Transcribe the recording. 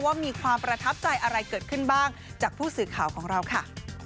ว่ามีความประทับใจอะไรเกิดขึ้นบ้างจากผู้สื่อข่าวของเราค่ะ